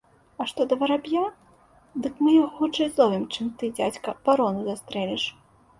А што да вераб'я, дык мы яго хутчэй зловім, чым ты, дзядзька, варону застрэліш.